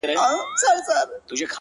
ما به د سترگو کټوري کي نه ساتلې اوبه!